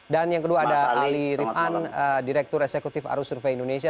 dan yang kedua ada ali rifan direktur eksekutif arus survei indonesia